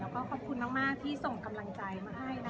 แล้วก็ขอบคุณมากที่ส่งกำลังใจมาให้นะคะ